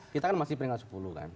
kita masih peringatan sepuluh kan